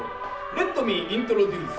レットミーイントロデュース。